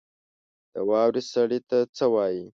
د واورې سړي ته څه وايي؟